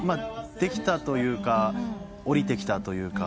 できたというかおりてきたというか。